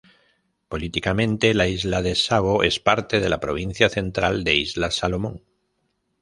Políticamente, la "Isla de Savo" es parte de la Provincia Central de Islas Salomón.